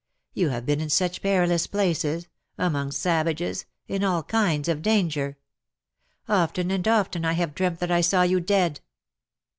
You have been in such perilous places — among savages — in all kinds of danger. Often and often I have dreamt that I saw you dead."